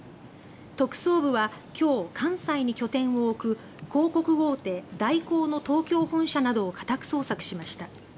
特捜部は今日、関西に拠点を置く広告大手、大広の東京本社などを家宅捜索しました。